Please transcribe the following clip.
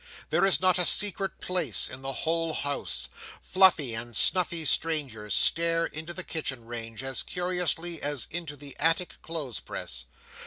There is not a secret place in the whole house. Fluffy and snuffy strangers stare into the kitchen range as curiously as into the attic clothes press.